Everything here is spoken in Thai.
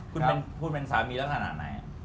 คุณพูดเป็นสามีแล้วขนาดไหน